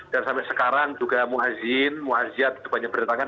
dan sampai sekarang juga mu'azin mu'aziat banyak yang berdatangan